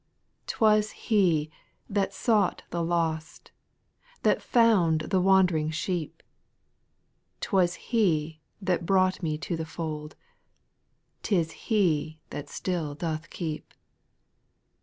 7. 'T was He that sought the lost, That found the wand'ring sheep, 'T was He that brought me to the fold, 'T is He that still doth keep.